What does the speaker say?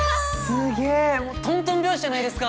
すげぇもうとんとん拍子じゃないですか。